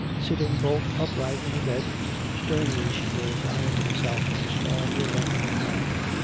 Sitting bolt upright in her bed, sternly she was eyeing herself in a small mirror in her hand.